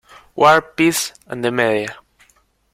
War, Peace and the Media.